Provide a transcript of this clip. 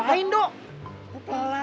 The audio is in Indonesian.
karena disitu anak anak